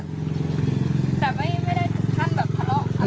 แต่ไม่ไม่ได้ท่านแบบเคราะห์